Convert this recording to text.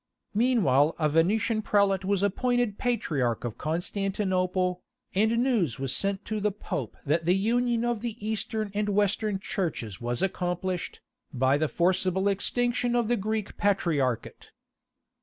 Meanwhile a Venetian prelate was appointed patriarch of Constantinople, and news was sent to the Pope that the union of the Eastern and Western Churches was accomplished, by the forcible extinction of the Greek patriarchate.